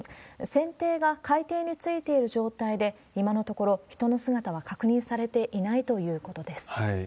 船艇が海底についている状態で、今のところ人の姿は確認されていないということです。